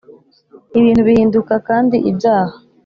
ibintu bihinduka kandi ibyaha